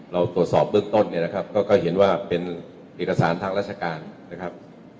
เราตรวจสอบเบื้องต้นเนี่ยนะครับก็เห็นว่าเป็นเอกสารทางราชการนะครับ